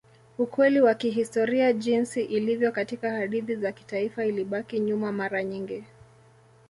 Ukweli wa kihistoria jinsi ilivyo katika hadithi za kitaifa ilibaki nyuma mara nyingi.